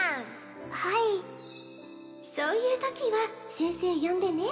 そういうときは先生呼んでね